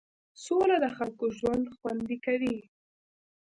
سوله د خلکو ژوند خوندي کوي.